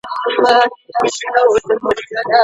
که تر نکاح مخکي هغه کورته داخله سوه، بيا ئې نکاح وکړه.